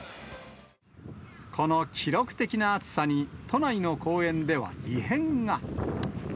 この記録的な暑さに、都内の公園では異変が。